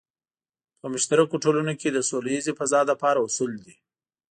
په مشترکو ټولنو کې د سوله ییزې فضا لپاره اصول دی.